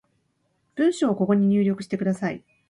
文章をここに入力してください